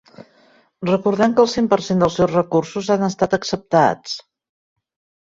Recordem que el cent per cent del seus recursos han estat acceptats.